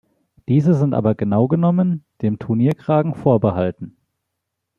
Diese sind aber genau genommen dem Turnierkragen vorbehalten.